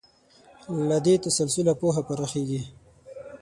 له دې تسلسله پوهه پراخېږي.